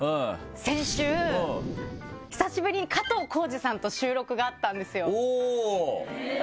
先週久しぶりに加藤浩次さんと収録があったんですよ。